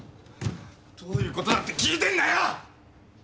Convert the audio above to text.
どういうことだって聞いてんだよ！